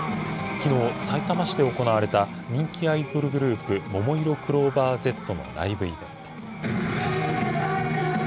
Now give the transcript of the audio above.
きのう、さいたま市で行われた人気アイドルグループ、ももいろクローバーＺのライブイベント。